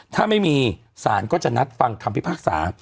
ถ้าไม่มีศาลก็จะนัดฟังคำพิพากษา